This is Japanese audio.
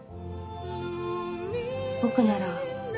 「僕なら」